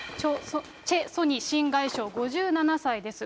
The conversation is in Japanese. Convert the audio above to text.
チェ・ソニ新外相５７歳です。